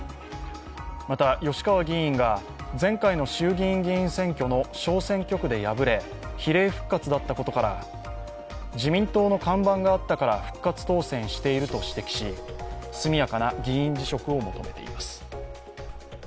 また、吉川議員が前回の衆議院議員選挙の小選挙区で敗れ比例復活だったことから、自民党の看板があったから復活当選していると指摘し速やかな議員辞職を求めています。